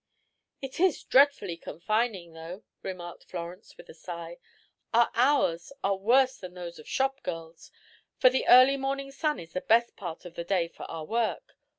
"It is dreadfully confining, though," remarked Florence, with a sigh. "Our hours are worse than those of shopgirls, for the early morning sun is the best part of the day for our work.